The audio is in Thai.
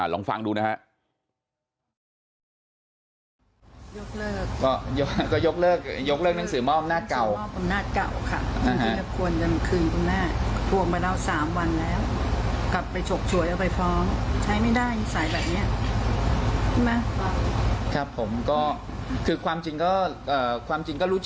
ลองฟังดูนะฮะ